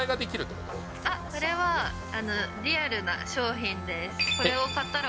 これは、リアルな商品です。